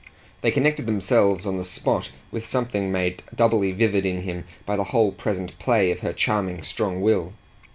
They connected themselves on the spot with something made doubly vivid in him by the whole present play of her charming strong will.